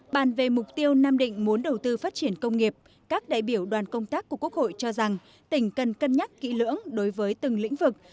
bàn về mục tiêu nam định muốn đầu tư phát triển công nghiệp các đại biểu đoàn công tác của quốc hội cho rằng tỉnh cần cân nhắc kỹ lưỡng đối với từng lĩnh vực